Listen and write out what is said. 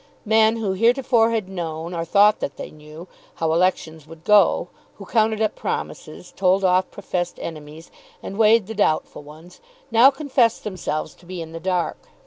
Men who heretofore had known, or thought that they knew, how elections would go, who counted up promises, told off professed enemies, and weighed the doubtful ones, now confessed themselves to be in the dark.